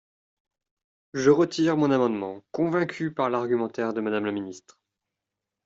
Je retire mon amendement, convaincue par l’argumentaire de Madame la ministre.